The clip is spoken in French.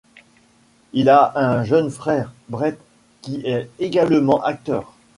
Il a un jeune frère, Brett, qui est également acteur.